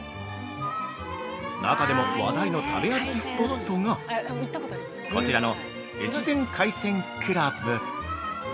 なかでも話題の食べ歩きスポットがこちらの「越前海鮮倶楽部」。